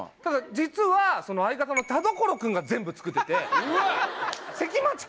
ただ実は相方の田所君が全部作ってて。